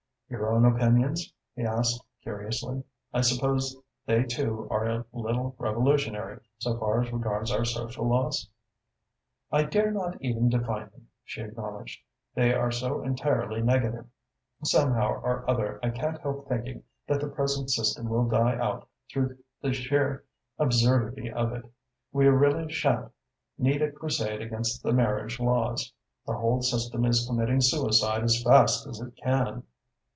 "Your own opinions?" he asked curiously. "I suppose they, too, are a little revolutionary, so far as regards our social laws?" "I dare not even define them," she acknowledged, "they are so entirely negative. Somehow or other, I can't help thinking that the present system will die out through the sheer absurdity of it. We really shan't need a crusade against the marriage laws. The whole system is committing suicide as fast as it can."